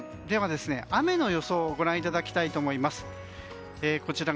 では、雨の予想をご覧いただきたいと思います。